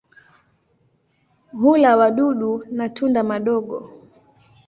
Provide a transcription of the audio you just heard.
Hula wadudu na tunda madogo.